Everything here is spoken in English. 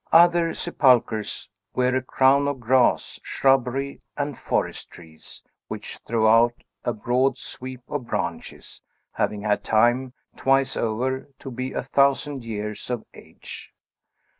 Other sepulchres wear a crown of grass, shrubbery, and forest trees, which throw out a broad sweep of branches, having had time, twice over, to be a thousand years of age.